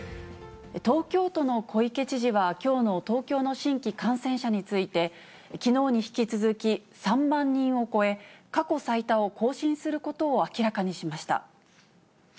東京都の小池知事は、きょうの東京の新規感染者について、きのうに引き続き３万人を超え、過去最多を更新することを明らかにしました。